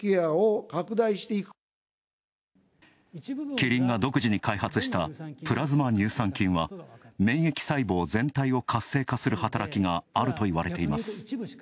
キリンが独自に開発したプラズマ乳酸菌は免疫細胞全体を活性化する働きがあるといわれています。